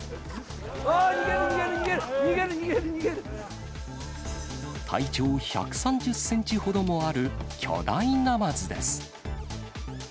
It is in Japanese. あー、逃げる、逃げる、体長１３０センチほどもある巨大ナマズです。